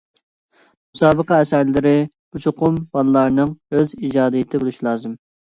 مۇسابىقە ئەسەرلىرى چوقۇم بالىلارنىڭ ئۆز ئىجادىيىتى بولۇشى لازىم.